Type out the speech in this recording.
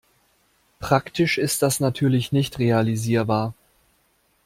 Praktisch ist das natürlich nicht realisierbar.